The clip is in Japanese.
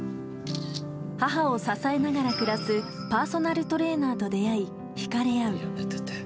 母を支えながら暮らすパーソナルトレーナーと出会い引かれ合う。